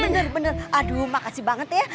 bener bener aduh makasih banget ya